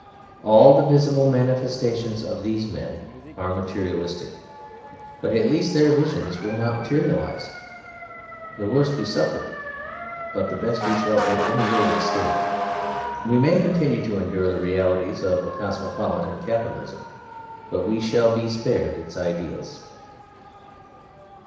All the visible manifestations of these men are materialistic; but at least their visions will not materialise. The worst we suffer; but the best we shall at any rate escape. We may continue to endure the realities of cosmopolitan capitalism; but we shall be spared its ideals.